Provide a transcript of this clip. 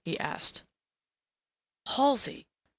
he asked. "Halsey!"